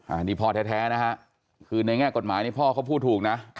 อันนี้พ่อแท้นะฮะคือในแง่กฎหมายนี่พ่อเขาพูดถูกนะ